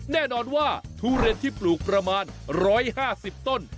แน่นอนว่าทุเรียนที่ปลูกประมาณ๑๕๐ต้น